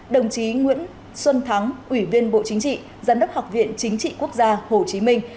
đồng chí nguyễn xuân thắng ủy viên bộ chính trị giám đốc học viện chính trị quốc gia hồ chí minh